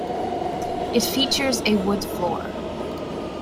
It features a wood floor.